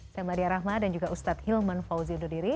saya madya rahma dan juga ustadz hilman fauzi ududiri